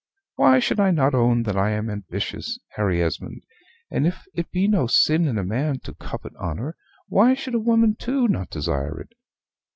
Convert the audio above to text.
Why should I not own that I am ambitious, Harry Esmond; and if it be no sin in a man to covet honor, why should a woman too not desire it?